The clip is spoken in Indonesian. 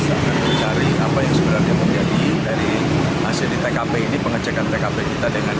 dan mencari apa yang sebenarnya terjadi dari hasil tkp ini pengecekan tkp kita dengan